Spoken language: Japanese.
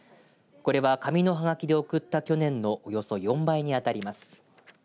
これは、紙のはがきで送った去年のおよそ４倍に当たります。